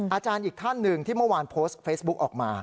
อาจารย์อีกท่านหนึ่งที่เมื่อวานโพสต์เฟซบุ๊กออกมา